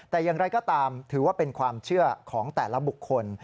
แต่อย่างไรก็ตามถือว่าเป็นความเชื่อของแต่ละบุคคล